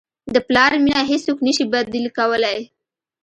د پلار مینه هیڅوک نه شي بدیل کولی.